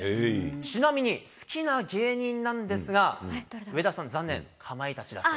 ちなみに好きな芸人なんですが、上田さん、残念！